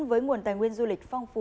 với nguồn tài nguyên du lịch phong phú